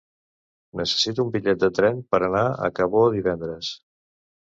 Necessito un bitllet de tren per anar a Cabó divendres.